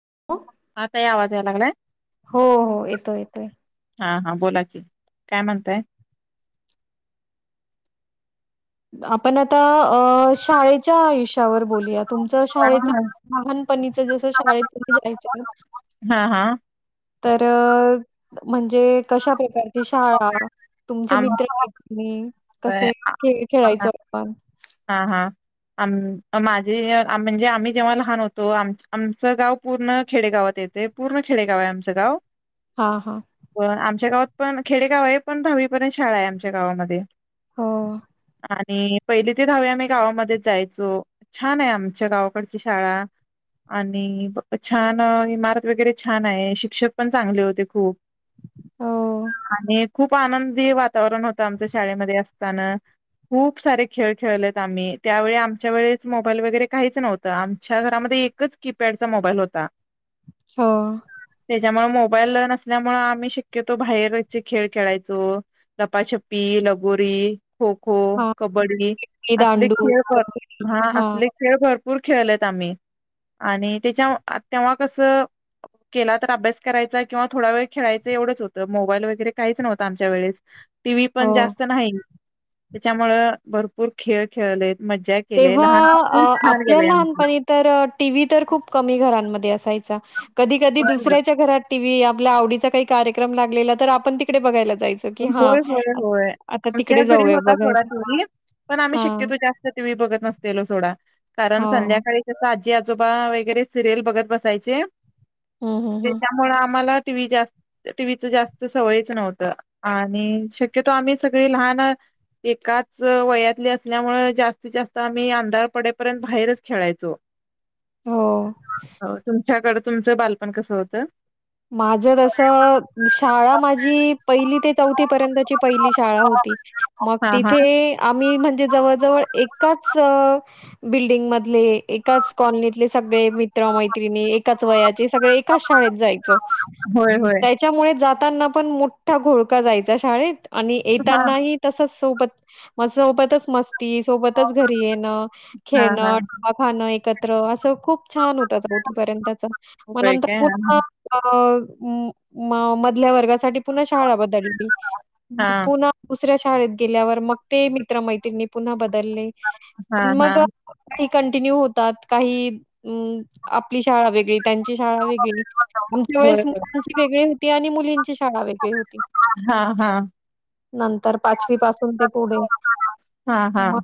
[inaudible] ताई आवाज यायला लागलाय. हो हो येतोय येतोय. हा हा बोलाकी काय म्हणताय? आपण आता अ शाळेच्या आयुष्यावर बोलूयात. तुमचं शाळेच लहानपणीच जस शाळेत तुम्ही जायच्या ह हा तर म्हणजे कशा प्रकार शाळा, तुमचे आम मित्र, मैत्रिणी, कसे खेळ खेळायचो आपण हा हा आम -माझे म्हणजे आम्ही जेव्हा लहान होतो आम आमचं गाव पूर्ण खेडेगावात येत ते पूर्ण खेडेगाव आहे आमचं गाव हां, हां. पण आमच्या गावात पण खेडेगाव आहे पण दहावीपर्यंत शाळा आहे आमच्या गावामध्ये. हो. आणि पहिली ते दहावी आम्ही गावामध्येच जायचो छान आहे आमच्या गावाकडची शाळा आणि छान इमारत वगैरे छान आहे शिक्षक पण चांगले होते खूप हो. आणि खूप आनंदी वातावरण होतं आमच्या शाळेमध्ये असताना खूप सारे खेळ खेळलेत आम्ही त्यावेळी आमच्या वेळेच मोबाईल वगैरे काहीच नव्हतं आमच्या घरामध्ये ते एकच कीपॅडचा मोबाईल होता. ह त्याच्यामुळे मोबाईल नसल्यामुळे आम्ही शक्यत तो बाहेर खेळ खेळायचो लपाछपी, लगोरी खो खो, हां, कबड्डी ते असले दांडू, खेळ भर हा कबड्डी. हां, असले खेळ भरपूर भरपूर खेळलेत आम्ही आणि त्याच्या तेव्हा कस केला तर अभ्यास करायचा किंवा थोडा वेळ खेळायचं एवढंच होतं. तर मोबाईल वगैरे काहीच नव्हतं आमच्या वेळेस टी व्ही पण हो. जास्त नाही. त्याच्यामुळ भरपूर खेळ खेळले. तेव्हा आपल्या आमचं. लहानपणी तर टीव्ही तर खूप कमी घरांमध्ये असायचा. कधी कधी दुसऱ्याच्या घरात टीव्ही आपल्या आवडीचा काही कार्यक्रम लागलेला तर आपण तिकडे बघायला. जायचो, की हां, होय होय आत होय आता आमच्या तिकडे घरी जाऊया होता थोडा बघायला. टीव्ही पण आम्ही हां, शक्यतो जास्त टीव्ही बघत नसतेलो सोडा कारण हो. संध्याकाळी जस आजी आजोबा वगेरे सिरलअल बघत बसायचे हं, हं, हं. त्यामुळे आम्हाला टीव्ही जास्त टीव्हीच जास्त सवयच नव्हत. आणि शक्यतो आम्ही सगळी लहान एकाच वयातली असल्यामुळे जास्तीत जास्त आम्ही अंधारपडेपर्यंत बाहेरच खेळायचो. हो. हो तुमच्याकड तुमचं बालपण कसं होतं. माझ तस शाळा माझी पहिली ते चौथी पर्यंतची पहिली शाळा होती मग हा हा तिथे आम्ही म्हणजे जवळ जवळ एकाच अ बिल्डिंग मधले एकाच कॉलनीतले सगळे मित्र मैत्रिणी एकाच वयाचे सगळे एकाच शाळेत जा होय होय त्याच्यामुळे जाताना पण मोठा घोळका जायचा शाळेत आणि हा येतानाही तसच सोबत म सोबतच मस्त ती सोबतच घरी येणं हा हा खेळणं डबा खाणं एकत्र असं खूप छान होताच कथपर्यंतच मग होय काय नंतर मग म-म मधल्या वर्गासाठी पुन्हा शाळा बदलली हा पुन्हा दुसऱ्या शाळेत शाळेत गेल्यावर मग ते मित्र मैतिणी पुन्हा बदलले हा हा मग कंटिन्यू होतात काही हम्म आपली शाळा वेगळी त्यांची शाळा वेगळी आमच्या होय वेळेस होय. मुलांची वेगळी होती आणि मुलींची शाळा वेगळी होती हा हा नंतर पाचवी पासून ते पुढे हा हा म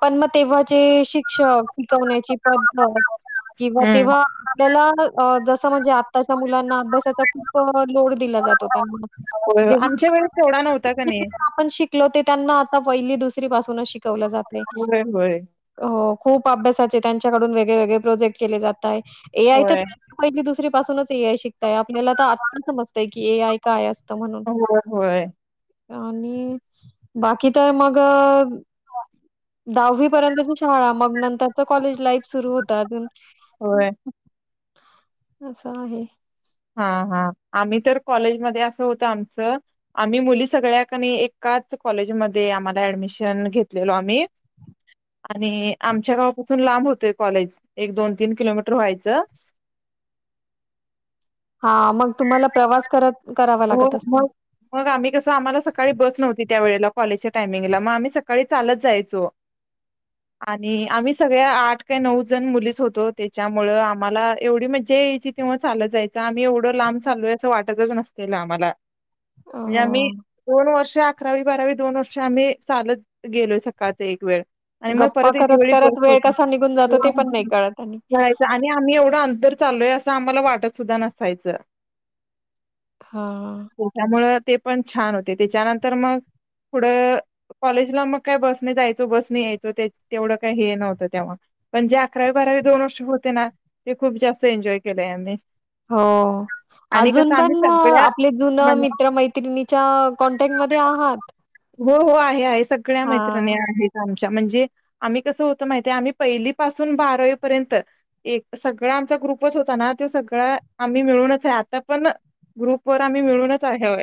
पण म ते शिक्षक शिकवण्याची पद्धत किंवा हम्म तेव्हा आपल्याला अ जस मजे आत्ताच्या मुलां अभ्यासाचा खूप लोड दिला जातो त्यांना होय जेव आमच्या वेळेस केवढा नव्हता का नाही आपण शिकलो ते त्यांना आता पहिली दुस पासूनच शिकवल जातंय होय होय अ खूप अभ्यासाचे त्यांच्याकडून वेगळे वेगळे प्रोजेक्ट केले जाताय एय ते होय पहिली दुसरी पाूनच ए आय शिकताय आपल्याला तर आत्ता समजतय की ए आय काय अस होय होय आणि बाकी तर मग अ [unintelligible] दहावी पर्यंतची शाळा मग नंतरच कॉलेज लाईफ सुरू होतात होय असं आहे हा हा आम्ही तर कॉलेजमध्ये असं होत आमच आम्ही मुली सगळ्याकनई एका एकाच कॉलेज मधे आम्हाला ऍडमिशन घेतलेलो आम्ही आणि आमच्या गावापासून लांब होतय कॉलेज एक दोन तीन किलोमीटर व्हायचं [unintelligible] हा मग तुम्हाला प्रवास करत करावा हो लागत असेल. मग मग आम्ही कस आम्हाला सकाळी बस नव्हती त्या वेळेला कॉलेजच्या टायमिंगला म आम्ही सकाळी चालत जायचो आणि आम्ही सगळ्या आठ का नऊ जण मुलीच होतो त्याच्यामुंळ आम्हाला एवढी मज्जा यायची तेव्हा चालं जायंच आम्ही एवढं लांब चाललोय आस वाटतच नसतील आम्हाला अ, मजे आम्ही दोन वर्षात अकरावी बारावी दोन वर्षे आम्ही चालत गेलोय सकाळच एक वेळ आणि मग गप्पा परत एके वेळी बस करत-करत वेळ होती कसा निघून जातो ते पण नाही कळत आणि जायच आणि आम्ही एवढं अंतर चालोय अस आम्हाला वाटत सुद्धा नसायचं हां, त्याच्यामुळ ते पण छान होते त्याच्यानंतर मग पुढं कॉलेजला मग काय बसने जायचो बसने यायचो ते तेवढं काही हे नव्हतं तेव्हा पण जे अकरावी बारावी दोन वर्ष होते ना ते खूप जास्त एन्जॉय केले यांनी हो अजून पण आपले जुन सगळ्या मित्र मैत्रिणीच्या कॉनटॅक्ट मधे आहात हो हो आहे आहे सगळ्या मैत्रिणी हां, आहेत आमच्या म्हणजे आम्ही कस होत माहिते आम्ही पहिली पाासून बारावी पर्यंत एक सगळा आमचा ग्रुपच होता ना त्यो सगळ आम्ही मिळूनच आता पण ग्रुप वर आम्ही मिळूनच आहे होय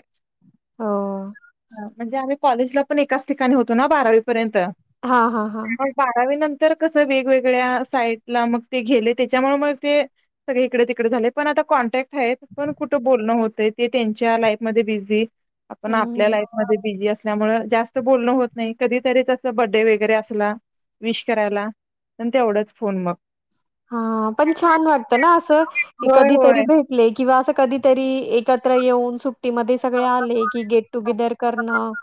हो म्हणजे आम्ही कॉलेजला पण एकाच ठिकाणी होतो ना बारावीपर्यंत हां, हां, हां. मग बारावी नंतर तर कसं वेगवेगळ्या साईटला मग ते गेले त्याच्यामुळे मग ते सगळे इकडे तिकडे झाले पण आता कॉन्टॅक्ट पण कुठं बोलणं होतंय ते त्यांच्या लाईफ मध्ये बिझी आपण आपल्या हं. लाईफ मध्ये बिझी अस मुळे जास्त बोलणं होत नाही कधीतरी अस बडडे वगैरे असला विश करायला प ते एवढंच फोन मग हा पण छान वाटतं ना असं क होय कधीतरी होय. भेटले किंवा असं कधीतरी एकत्र येऊन सुट ी म सगळे आले की गेट टुगेदर करणं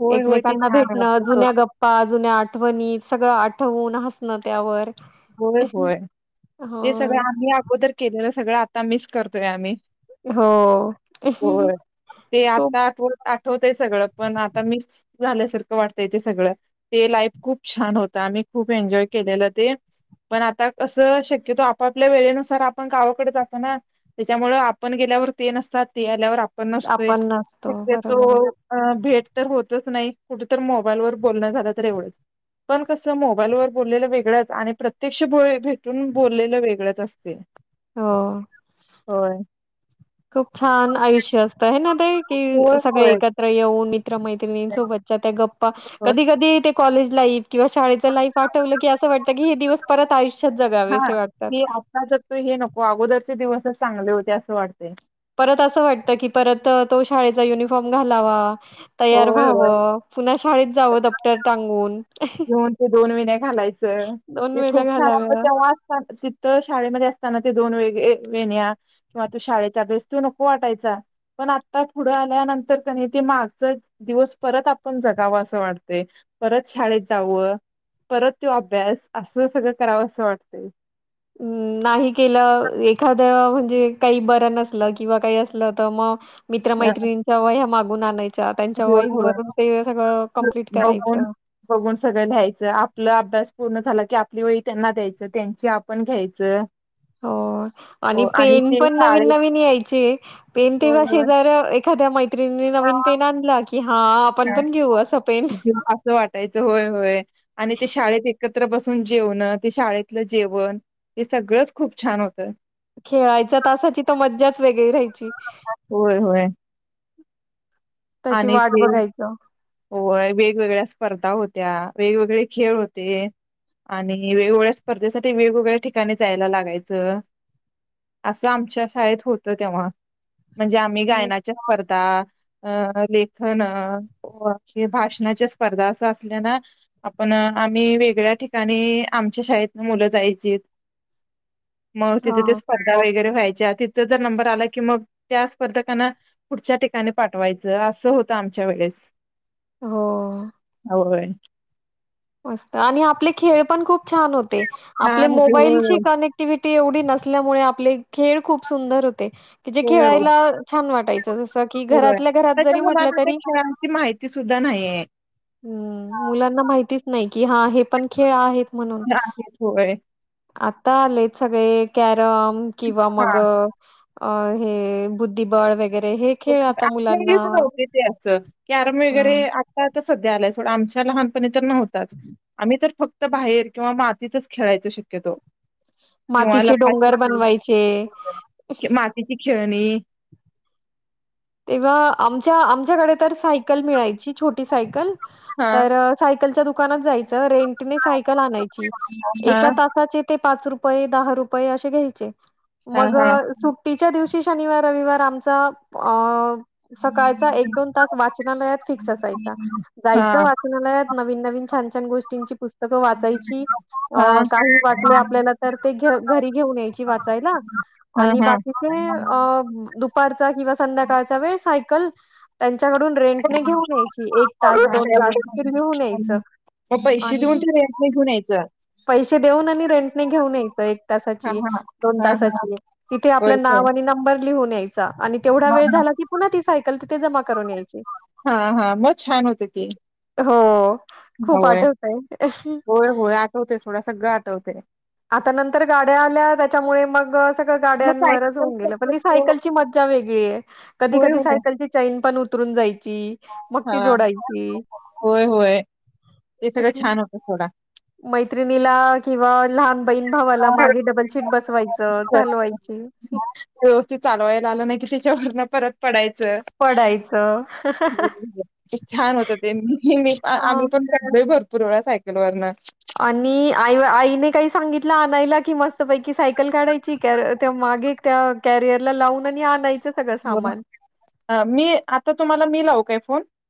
होय होय ते एकमेकांना छान भेटणं वाटतं जुन्या गप्पा जुन्या आठ आठवणीत सगळं आठवून हसणं त्यावर होय होय हे होय. सगळं आम्ही अगोदर केलेलं सगळं आता मिस करतोय आम्ही हो. हो ते खूप आता को आठवतय सगळं पण आता मिस झाल्यासारखं वाटतय ते सगळं ते लाईफ खूप छान होत आम्ही खूप एन्जॉय केलेलं ते पण आता असं शक्यतो आपापल्या वेळेनुसार आपण गावाकडे जातो ना त्याच्यामुळ आपण ण गेल्यावर ते नसतात ते आल्यावर आपण नसतोय आपण असतो. शक्य तो बरोबर आहे. भेट तर होतच नाही कुठ तर मोबाईल वर बोलणं झालं तर एवढंच पण कसं मोबाईल वर बोललेलं वेगळंच आणि प्रत्यक्ष भेटून बोललेलं वेगळंच असते हो हो खूप छान आयुष्य असतं आहे ना ते कि होय सगळे होय. एकत्र येऊन म्र मैत्रिणीं सोबतच्या त्या गप्पा कधी कधी ते कॉलेज लाईफ किंवा शाळेच लाईफ आठवलं की असं वातं क हे दिवसत आयुष्य हा हे आताच त हे नको अगोदरचे दिवसच चांगले होते असं वाटते परत असं वाटतं की परत तो शाळेचा युनिफॉर्म घालावा तयार होय, होय. व्हावं पुन्हा शाळेत जावं डप्टर टांगून घेऊन ते विण्या वेला खूप छान घालाव्या. तेव्हा अस तिथ शाळेमध्ये असताना ते दोन वेगळे वेण्या किंवा तू शाळेच्या बेस तू नको वाटायचा पण आत्ता पुढं आल्यानंतर क ते माग दिवस परत आपण जगावा असं वाटते परत शाळेत जावं परत तो अभ्यास असं सगळं करावं असं वाटते अं, नाही केलं एखादं म्हणजे काही बरं नसलं किंवा काही असलं तर मग हां. मित्रमैत्रीिणीच्या व ह्या मागून आणायच्या त्यांच्या होय, होय. वहींवरून ते सगळं कं्प्लीट बघून करायचं बघून सगळं लिहायचं आपला अभ्यास पूर्ण झाला की आपली वही त्यांना द्यायचं त्यांची आपण घ्यायचं हो आणि पेन ते पण नवीन शाळेत नवीन यायचे पेन होय तेव्हा होय शेजार एखाद्या मैत्रिणी नवीन पेन आणला की हां, आपण ह पण घेऊ असं पेन. असं वाटायचं होय होय आणि ते शाळेत एकत्र बस ून जेवण ते शाळेतलं जेवण हे सगळंच खूप छान होतं खेळायचा तासाची तर मजच वेगळी राहायची होय होय त्याची आणि वाट ते बघायचं. वेगवेगळ्या स्पर्धा होत्या त्या वेगवेगळे खेळ होते आणि वेगवेगळ्या स्पर्धेसाठी वेगवेगळ्या ठिकाणी जायला लागायचं असं आमच्या शाळेत होतं तेव्हा म्हणजे आम्ही हं. गायनाच्या स्पर्धा अ लेखन भाषणाच्या स्पर्धा असं असल्या ना आपण आम्ही वेगळ्या ठिकाणी आमच्या शाळेतन मुलं जायची [inaudible] मग तिथे ते हां. स्पर्धा वगैरे व्हायची त्या तिथं जर नंबर आला की मग त्या स्पर्धकाना पुढच्या ठिकाणी पाठवायचं असं होतं आमच्या वेळेस हो होय त आणि आपले खेळ पण खूप छान होते आपले छान होते होय मोबाईलची कनेक्टिव्हटी ते एवढी नसल्यामुळे आपले खेळ खूप सुंदर हो क जे होय खेळायला छान वाटायचं जस की होय घरातल्या घरात आताच्या जरी म्हटलं मुलांना त्या तरी खेळांची माहिती सुद्धा नाहीये हम्म मुलांना माहितीच नाही की हा हे पण खेळ आहेत नाकीचोय ता आलेत सगळे कॅरम किंवा हा मग अ हे बुद्धिबळ वेग होते ते असं कॅरम वगैरे ह आता तर सध्या आलाय सोडं आमच्या लहानपणी तर नव्हताच आम्ही तर फक्त बाहेर किंवा म आातीतच खेळायच शक्यतो किंवा मातीचे लफा डोंगर बनवायचे. मातीची खेळणी तेव्हा आमच्या आमच्याकडे तर सायकल मिळायची छोटी सायकल हा तर सायकलच्या दुकानात जायच ें हा साय आणा ए हा त हा [unintelligible] शनिवार रविवार आमचा अ सकाळचा एक दोन तास वाचनालयात फिक्स असायच हा जायचं वाचनालयात नवीन नवीन छान छान गोष्टींची पुस्तकं वाचायची अ हा काही वाटले आपल्याला तर ते घ घरी घेऊन यायची वाचायला हा आणि हा बाकीचे द कध वय त्याच्याकडून रेंट नाही घेऊन यायची एक तास दोन तास त घेऊन यायचं मग पैसे देऊन आणि ते रेंटने घेऊन यायचं पैसे देऊन आणि रेंटने घेऊन येच त तथ हां, हां. हां, हां. ल होय तेवढा काय? हां, वेळ हां. झाला की पुन्हा ती सायकल तिथे जमा करून यायची हा हा मग छान होत तेी हो खूप होय आठवतंय. होय होय आठवते थोडं सगळं आठवते आता नंतर गाड्या आल्या त्याच्यामुळे मग सगळं मग गाड्यांवरच सायकल होऊन गेलं पण ती शक्यतो सायकलची मज्जा वेग की होय, होय. कीयण मग त हां. जोडायची होय, होय. ते सगळं छान होतं सोडा. मैत्रिणीला किंवा लहान बहीण भावाला मागे डबलशीट बसवायचं चालवायची च्या व परत पडायचं ते छान होत तेहमी आम्ही अ पण त्या घडे भरतो पुरवळ्या सायकल वरन आणि आई आईने काही सांगितलं आणयला कि मस्त पैकी सायकल काढायची माग त्या कॅरियर लावून आणि आण ब मी आता तुम्हाला मी लावू काय फोन